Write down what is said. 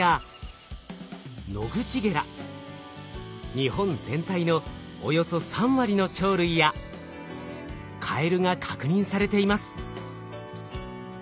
日本全体のおよそ３割の鳥類やカエルが確認されています。